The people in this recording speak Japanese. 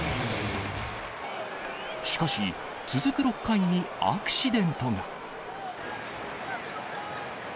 しかし、続く６回にアクシデントが。